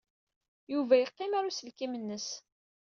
Yuba yeqqim ɣer uselkim-nnes.